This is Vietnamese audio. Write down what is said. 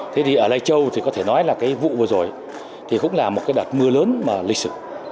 thế thì ở lây châu thì có thể nói là cái vụ vừa rồi thì cũng là một cái đợt mưa lớn mà lịch sử